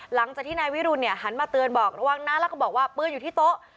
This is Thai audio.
หลังจากที่นายวิรุณเนี่ยหันมาเตือนบอกระวังนะแล้วก็บอกว่าปืนอยู่ที่โต๊ะ